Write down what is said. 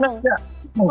kalau timnas tidak tidak